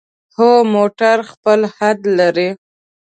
هر موټر خپل حد لري.